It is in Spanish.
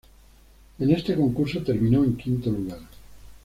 En este concurso terminó en quinto lugar.